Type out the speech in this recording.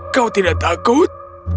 kau tidak takut